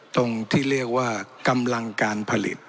ตรงที่เรียกว่ากำลังการผลิต